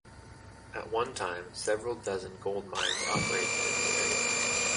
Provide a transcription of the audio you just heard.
At one time, several dozen gold mines operated in the area.